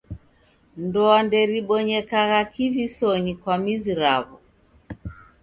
Ndoa nderibonyekagha kivisonyi kwa mizi raw'o.